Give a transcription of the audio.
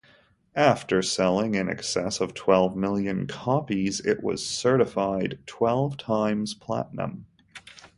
After selling in excess of twelve million copies, it was certified twelve times platinum.